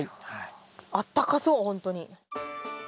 あったかそうほんとに。